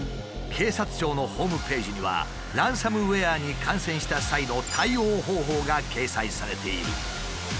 警察庁のホームページにはランサムウエアに感染した際の対応方法が掲載されている。